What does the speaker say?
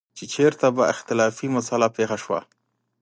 چې چېرته به اختلافي مسله پېښه شوه.